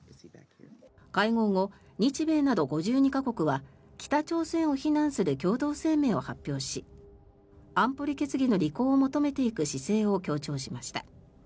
会合後、日米など５２か国は北朝鮮を非難する共同声明を発表し安保理決議の履行を求めていく姿勢を強調しました。